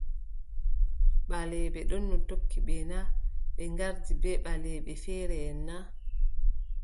Ɓaleeɓe ɗono tokki ɓe na, ɓe ngardi ɓe ɓaleeɓe feereʼen na ?